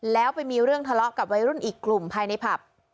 แล้วไปมีเรื่องทะเลาะกับวัยรุ่นอีกกลุ่มภายในผับ